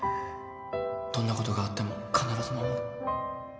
どんなことがあっても必ず守る